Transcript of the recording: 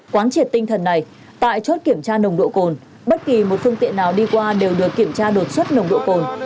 quán triệt tinh thần này tại chốt kiểm tra nồng độ cồn bất kỳ một phương tiện nào đi qua đều được kiểm tra đột xuất nồng độ cồn